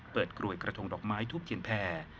กรวยกระทงดอกไม้ทุบเทียนแพร